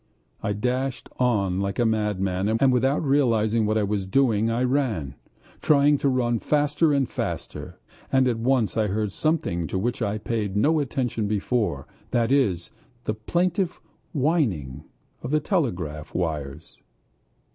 I dashed on like a madman, and without realizing what I was doing I ran, trying to run faster and faster. And at once I heard something to which I had paid no attention before: that is, the plaintive whining of the telegraph wires.